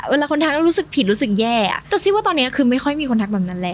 เวลาคนทักแล้วรู้สึกผิดรู้สึกแย่อ่ะแต่ซิว่าตอนนี้คือไม่ค่อยมีคนทักแบบนั้นแล้ว